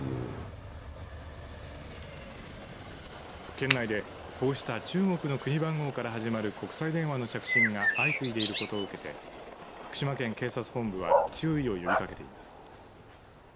県内でこうした中国の国番号から始まる国際電話の着信が相次いでいることを受けて福島県警察本部は注意を呼びかけています。